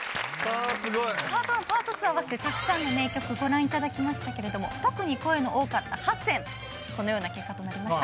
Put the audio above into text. パート１パート２合わせてたくさんの名曲ご覧いただきましたけれども特に声の多かった８選このような結果となりました。